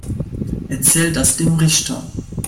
Erzähl das dem Richter.